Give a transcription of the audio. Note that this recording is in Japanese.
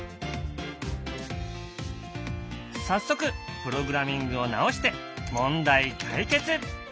早速プログラミングを直して問題解決！